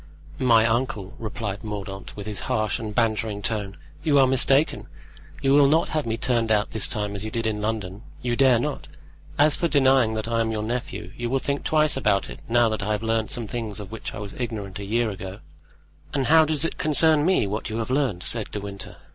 "My uncle," replied Mordaunt, with his harsh and bantering tone, "you are mistaken; you will not have me turned out this time as you did in London—you dare not. As for denying that I am your nephew, you will think twice about it, now that I have learned some things of which I was ignorant a year ago." "And how does it concern me what you have learned?" said De Winter.